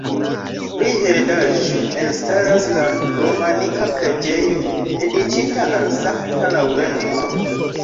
Pri heredaĵo, elstaras la romanika preĝejo, dediĉita al Sankta Laŭrenco.